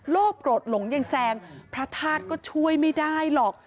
โกรธหลงยังแซงพระธาตุก็ช่วยไม่ได้หรอก